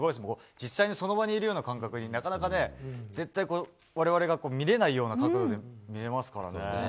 実際にその場にいるような感覚に、なかなかね、絶対われわれが見れないような角度で見れますからね。